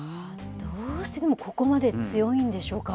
どうして、でもここまで強いんでしょうか。